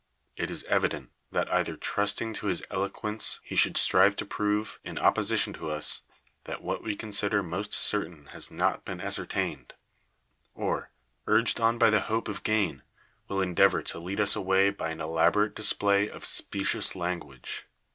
It is evident that either trusting to his eloquence he would strive to prove, in op position to us, that what we consider m^^ost cer tain has not been ascertained; or, urged on by the hope of gain, will endeavor to lead us away by an elaborate display of specious language.